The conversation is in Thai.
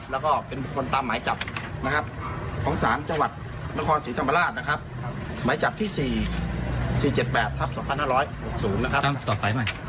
แล้วก็เป็นผู้คนตามหมายจับของศาลจังหวัดนครศรีธรรมราชหมายจับที่๔๗๘ทัก๒๕๖๐